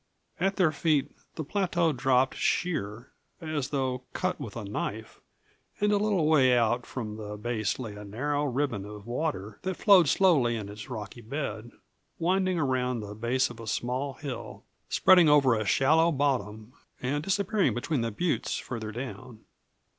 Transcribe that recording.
At their feet the plateau dropped sheer, as though cut with a knife, and a little way out from the base lay a narrow ribbon of water that flowed slowly in its rocky bed, winding around the base of a small hill, spreading over a shallow bottom, and disappearing between the buttes farther down.